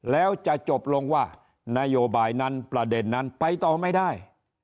แล้วจะจบลงว่านโยบายนั้นประเด็นนั้นไปต่อไม่ได้